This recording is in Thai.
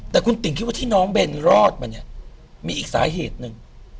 แต่คุณติ๋งคิดว่าที่น้องเบนรอดมาเนี่ยมีอีกสาเหตุหนึ่ง